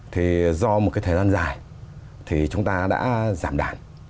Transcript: thì do một cái thời gian dài thì chúng ta đã giảm đàn